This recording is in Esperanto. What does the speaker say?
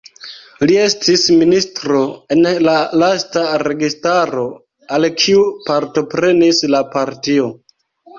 Li estis ministro en la lasta registaro al kiu partoprenis la partio.